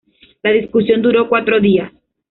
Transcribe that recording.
La discusión duró cuatro días.